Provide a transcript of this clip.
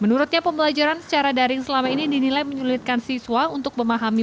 menurutnya pembelajaran secara daring selama ini dinilai menyulitkan siswa untuk memahami